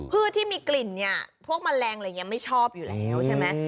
ที่มีกลิ่นเนี่ยพวกแมลงอะไรอย่างนี้ไม่ชอบอยู่แล้วใช่ไหม